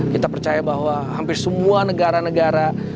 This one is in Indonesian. kita percaya bahwa hampir semua negara negara